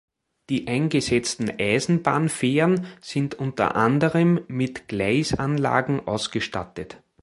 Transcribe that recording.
Die eingesetzten Eisenbahnfähren sind unter anderem mit Gleisanlagen ausgestattet.